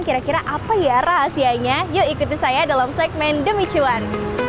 kira kira apa ya rahasianya yuk ikuti saya dalam segmen demi cuan